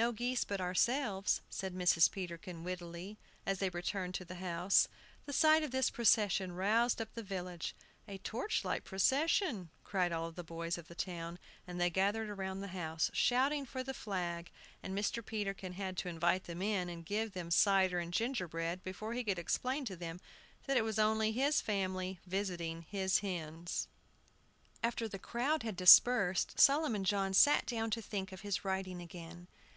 "No geese but ourselves," said Mrs. Peterkin, wittily, as they returned to the house. The sight of this procession roused up the village. "A torchlight procession!" cried all the boys of the town; and they gathered round the house, shouting for the flag; and Mr. Peterkin had to invite them in, and give them cider and gingerbread, before he could explain to them that it was only his family visiting his hens. After the crowd had dispersed, Solomon John sat down to think of his writing again.